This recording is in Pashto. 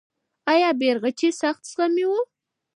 آیا بیرغچی سخت زخمي و؟